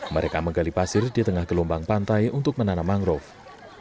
mereka menggali pasir di tengah gelombang pantai untuk menanam mangrove